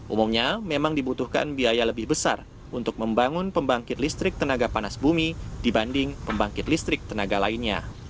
umumnya memang dibutuhkan biaya lebih besar untuk membangun pembangkit listrik tenaga panas bumi dibanding pembangkit listrik tenaga lainnya